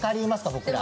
僕ら。